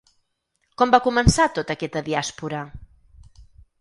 Com va començar tota aquesta diàspora?